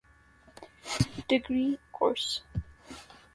Degree course.